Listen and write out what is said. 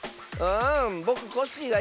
ん「ぼくコッシー」がいいよ。